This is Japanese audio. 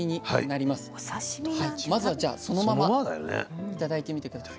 まずはそのまま頂いてみて下さい。